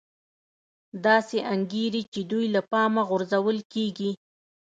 داسې انګېري چې دوی له پامه غورځول کېږي